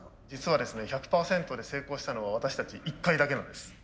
実はですね１００％で成功したのは私たち一回だけなんです。